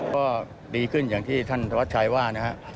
ก็ดีขึ้นอย่างที่ท่านธวัชชัยว่านะครับ